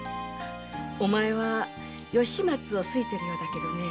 お前は吉松を好いてるようだけどね